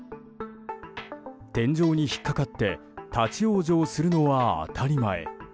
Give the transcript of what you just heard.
天井に引っかかって立ち往生するのは当たり前。